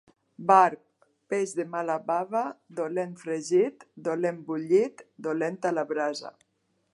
Barb, peix de mala bava: dolent fregit, dolent bullit, dolent a la brasa.